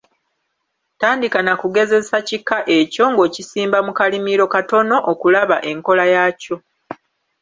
Tandika na kugezesa kika ekyo ng’okisimba mu kalimiro katono okulaba enkola yaakyo.